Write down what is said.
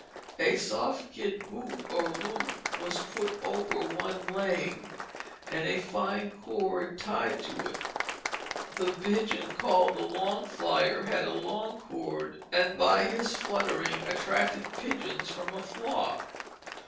A soft kid boot or loop was put over one leg and a fine cord tied to it. The pigeon called the long flyer had a long cord, and by his fluttering attracted pigeons from a flock.